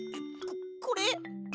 ここれ！？